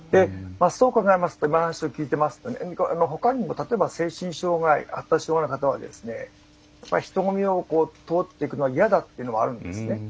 で今の話を聞いていますと他にも例えば精神障害発達障害の方は人混みを通っていくのは嫌だというのがあるんですね。